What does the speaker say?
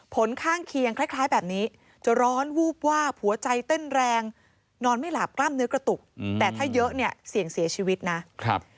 ผลข้างเคียงคล้ายแบบนี้จะร้อนวูบวาบหัวใจเต้นแรงนอนไม่หลาบกล้ามเนื้อกระตุกแต่ถ้าเยอะเนี่ยเสี่ยงเสียชีวิตนะครับ